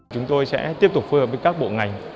chúng tôi sẽ tiếp tục phù hợp với các bộ ngành